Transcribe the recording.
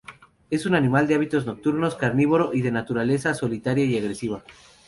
Es un animal de hábitos nocturnos, carnívoro y de naturaleza solitaria y agresiva.